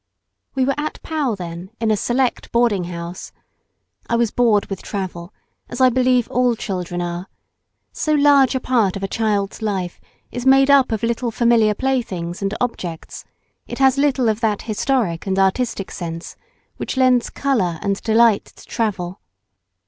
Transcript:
We were at Pau then in a "select boarding house." I was bored with travel, as I believe all children are—so large a part of a child's life is made up of little familiar playthings and objects; it has little of that historic and artistic sense which lends colour and delight to travel.